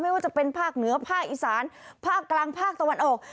ไม่ว่าจะเป็นภาคเหนือภาคอีสานภาคกลางภาคตะวันออก